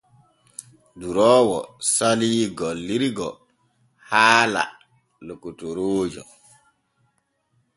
Duroowo salii gillirgo haala lokotoroojo.